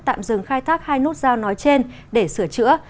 tạm dừng khai thác hai nút giao nói trên để sửa chữa